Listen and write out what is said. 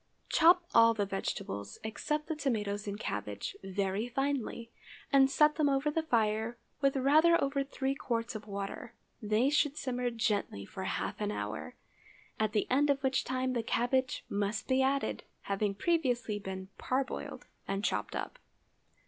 Chop all the vegetables, except the tomatoes and cabbage, very finely, and set them over the fire with rather over three quarts of water. They should simmer gently for half an hour, at the end of which time the cabbage must be added, having previously been parboiled and chopped up.